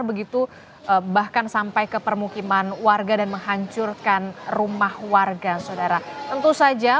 begitu bahkan sampai ke permukiman warga dan menghancurkan rumah warga saudara tentu saja